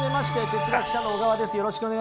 哲学者の小川です